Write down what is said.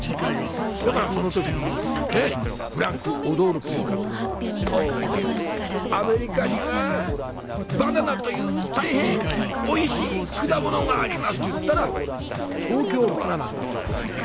だからその時にフランク・オドールという監督が「オウアメリカにはバナナという大変おいしい果物があります」と言ったら「東京バナナ」になってたというね。